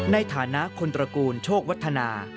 ในฐานะคนตระกูลโชควัฒนา